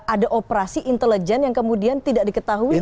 ada operasi intelijen yang kemudian tidak diketahui